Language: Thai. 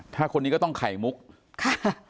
ถ้าคนนี้ก็ต้องไข่มุกค่ะ